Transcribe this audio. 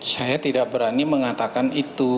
saya tidak berani mengatakan itu